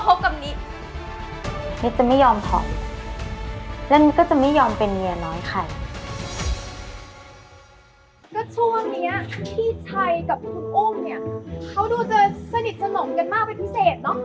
แล้วช่วงนี้พี่ชัยกับคุณอุ้มเนี่ยเขาดูจะสนิทสนมกันมากเป็นพิเศษเนอะ